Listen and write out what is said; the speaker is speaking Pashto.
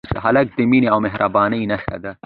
هلک د مینې او مهربانۍ نښه ده.